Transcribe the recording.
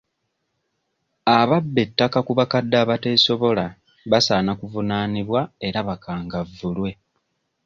Ababba ettaka ku bakadde abateesobola basaana kuvunaanibwa era bakangavvulwe.